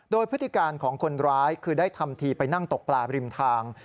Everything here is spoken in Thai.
โดยพฤติการของคนร้ายคือได้ทำทีไปนั่งตกปลาริมทาง